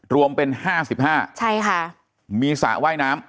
รวมเป็น๕๕ใช่ค่ะมีสระว่ายน้ำ